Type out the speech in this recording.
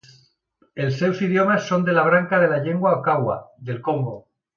Els seus idiomes són de la branca de les llengües kwa del Congo.